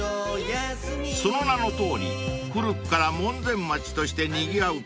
［その名のとおり古くから門前町としてにぎわう